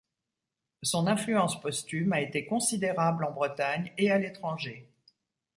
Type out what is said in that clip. Son influence posthume a été considérable en Bretagne et à l'étranger.